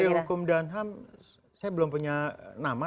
menteri hukum dan ham saya belum punya nama